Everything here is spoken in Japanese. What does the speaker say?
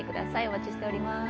お待ちしております。